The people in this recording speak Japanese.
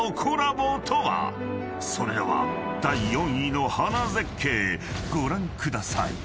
［それでは第４位の花絶景ご覧ください］